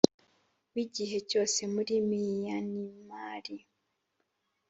w igihe cyose muri Miyanimari